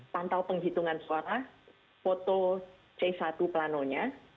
pantau penghitungan suara foto c satu planonya